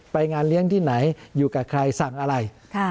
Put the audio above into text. งานเลี้ยงที่ไหนอยู่กับใครสั่งอะไร